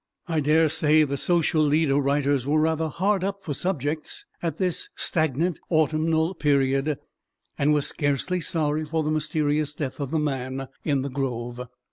I dare say the social leader writers were rather hard up for subjects at this stagnant autumnal period, and were scarcely sorry for the mysterious death of the man in the grove.